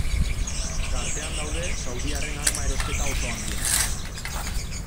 Tartean daude saudiarren arma erosketa oso handiak.